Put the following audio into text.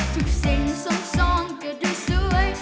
ทุกสิ่งส่องส่องก็ได้สวย